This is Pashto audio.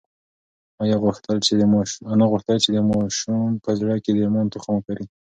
انا غوښتل چې د ماشوم په زړه کې د ایمان تخم وکري.